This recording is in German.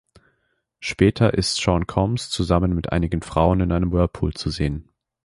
Später ist Sean Combs zusammen mit einigen Frauen in einem Whirlpool zu sehen.